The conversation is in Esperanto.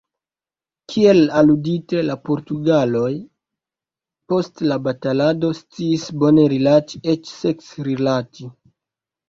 Kiel aludite, la portugaloj post la batalado sciis bone rilati, eĉ seksrilati.